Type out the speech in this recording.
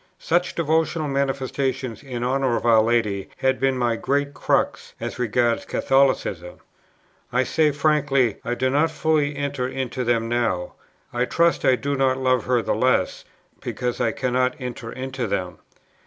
Such devotional manifestations in honour of our Lady had been my great crux as regards Catholicism; I say frankly, I do not fully enter into them now; I trust I do not love her the less, because I cannot enter into them.